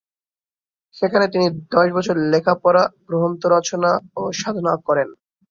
সেখানে তিনি দশ বছর লেখাপড়া, গ্রন্থ রচনা ও সাধনা করেন।